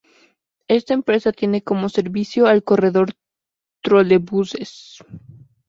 Esta empresa tiene como servicio al corredor trolebuses.